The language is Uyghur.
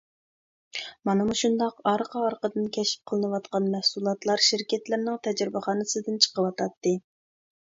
مانا مۇشۇنداق ئارقا-ئارقىدىن كەشىپ قىلىنىۋاتقان مەھسۇلاتلار شىركەتلەرنىڭ تەجرىبىخانىسىدىن چىقىۋاتاتتى.